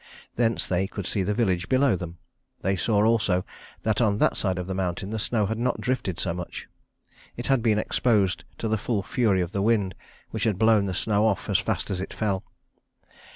Thence they could see the village below them. They saw also that on that side of the mountain the snow had not drifted so much. It had been exposed to the full fury of the wind, which had blown the snow off as fast as it fell.